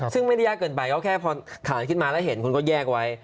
ซึ่งไม่ได้ยากเกินไปก็แค่พอถามขึ้นมาแล้วเห็นคุณก็แยกไว้